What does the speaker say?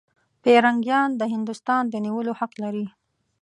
پیرنګیان د هندوستان د نیولو حق لري.